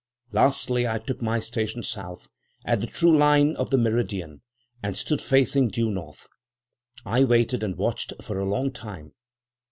Lastly, I took my station south, at the true line of the meridian, and stood facing due north. I waited and watched for a long time.